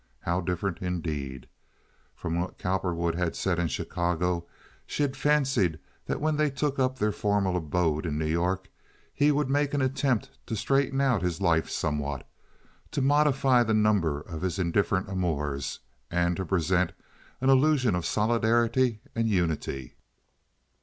How different, indeed? From what Cowperwood had said in Chicago she had fancied that when they took up their formal abode in New York he would make an attempt to straighten out his life somewhat, to modify the number of his indifferent amours and to present an illusion of solidarity and unity.